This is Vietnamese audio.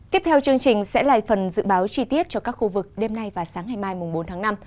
tiếp theo chương trình sẽ là phần dự báo chi tiết cho các khu vực đêm nay và sáng ngày mai bốn tháng năm